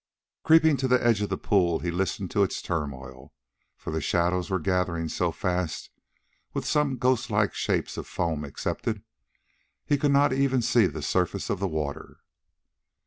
Creeping to the edge of the pool he listened to its turmoil, for the shadows were gathering so fast that, with some ghostlike shapes of foam excepted, he could not even see the surface of the water.